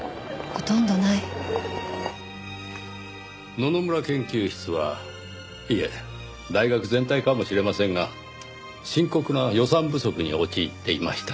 野々村研究室はいえ大学全体かもしれませんが深刻な予算不足に陥っていました。